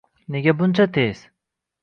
Nega buncha tez